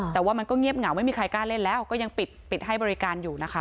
แต่ว่ามันก็เงียบเหงาไม่มีใครกล้าเล่นแล้วก็ยังปิดให้บริการอยู่นะคะ